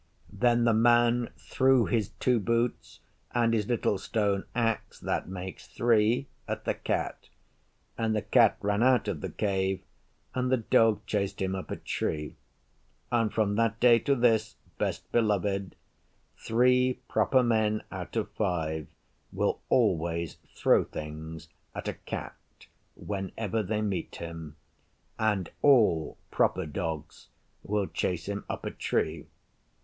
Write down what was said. Then the Man threw his two boots and his little stone axe (that makes three) at the Cat, and the Cat ran out of the Cave and the Dog chased him up a tree; and from that day to this, Best Beloved, three proper Men out of five will always throw things at a Cat whenever they meet him, and all proper Dogs will chase him up a tree.